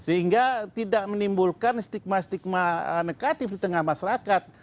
sehingga tidak menimbulkan stigma stigma negatif di tengah masyarakat